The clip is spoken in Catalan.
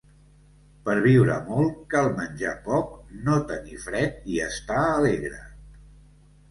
Per viure molt cal menjar poc, no tenir fred i estar alegre.